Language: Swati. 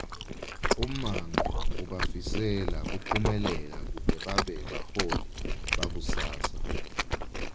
Ummango ubafisela kuphumelela kute babe baholi bakusasa.